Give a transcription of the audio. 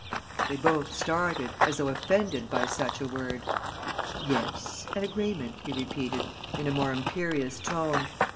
They both started, as though offended by such a word. "Yes, an agreement," he repeated, in a more imperious tone.